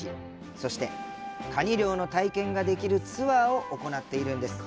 そして、カニ漁の体験ができるツアーを行っているんです。